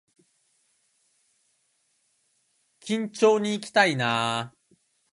金町にいきたいな